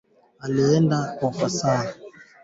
Tumia chapa mandashi Kuumulia